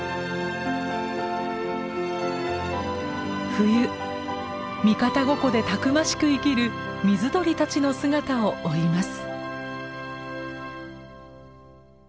冬三方五湖でたくましく生きる水鳥たちの姿を追います。